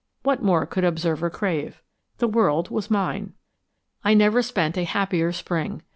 What more could observer crave? The world was mine. I never spent a happier spring.